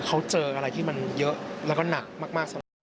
เขาเจออะไรที่มันเยอะแล้วก็หนักมากสำหรับ